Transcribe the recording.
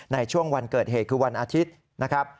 ในช่วงวันเกิดเหตุคือวันอาทิตย์นะครับ